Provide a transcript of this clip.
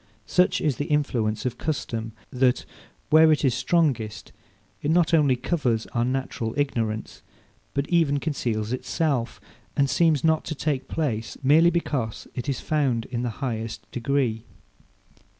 Such is the influence of custom, that, where it is strongest, it not only covers our natural ignorance, but even conceals itself, and seems not to take place, merely because it is found in the highest degree.